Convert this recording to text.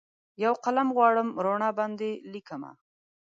یوقلم غواړم روڼا باندې لیکمه